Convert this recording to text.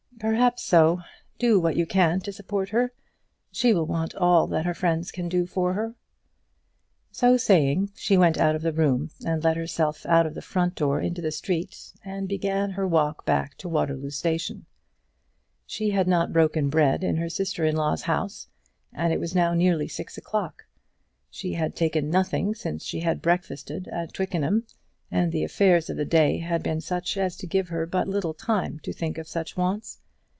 "Perhaps so. Do what you can to support her. She will want all that her friends can do for her." So saying she went out of the room, and let herself out of the front door into the street, and began her walk back to the Waterloo Station. She had not broken bread in her sister in law's house, and it was now nearly six o'clock. She had taken nothing since she had breakfasted at Twickenham, and the affairs of the day had been such as to give her but little time to think of such wants.